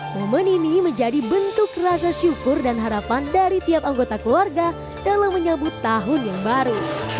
momen ini menjadi bentuk rasa syukur dan harapan dari tiap anggota keluarga dalam menyambut tahun yang baru